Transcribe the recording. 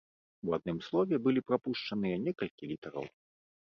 У адным слове былі прапушчаныя некалькі літараў.